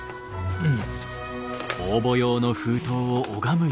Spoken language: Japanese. うん。